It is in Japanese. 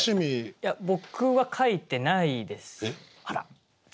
いや僕は書いてないですね。